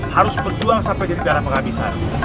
harus berjuang sampai jadi dana pengabisar